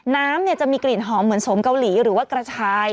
น้ำจะมีกลิ่นหอมเหมือนสมเกาหลีหรือว่ากระชาย